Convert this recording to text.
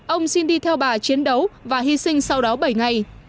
ông xin đi theo bà chiến đấu và hy sinh sau đó bảy ngày